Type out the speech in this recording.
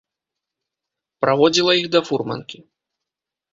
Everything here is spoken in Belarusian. Праводзіла іх да фурманкі.